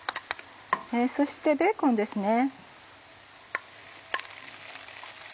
そしてベーコンですね。